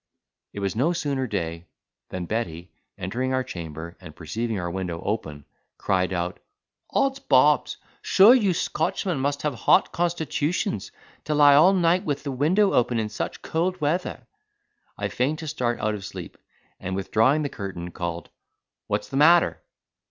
It was no sooner day than Betty, entering our chamber, and perceiving our window open, cried out, "Odds bobs! sure you Scotchmen must have hot constitutions to lie all night with the window open in such cold weather." I feigned to start out of sleep, and, withdrawing the curtain, called, "What's the matter?"